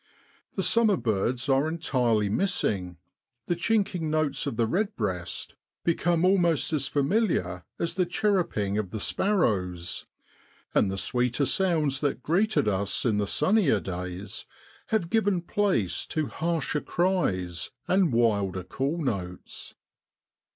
The summer birds are entirely the chinking notes of the redbreast become almost as familiar as the 102 OCTOBER IN BROADLAND, chirruping of the sparrows ; and the sweeter sounds that greeted us in the sunnier days have given place to harsher cries and wilder call notes.